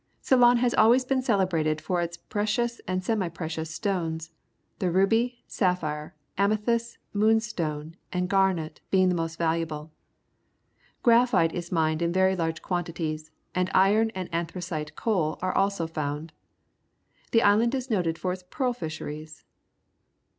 Ceylon has always been celebrated for its precious and semi precious stones, the ruby^sa jjphi !£,, ■aingl.b^:':s.t^ . moonstone., and A School for Natives, Ceylon garnet being the most valuable. Graphite is mined in very large quantities, and iron and anthracite coal are also found. The island is noted for its pearl fisheries.